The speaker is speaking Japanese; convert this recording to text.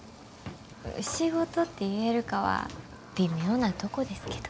仕事って言えるかは微妙なとこですけど。